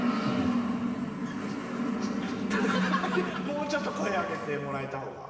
もうちょっと声上げてもらえた方が。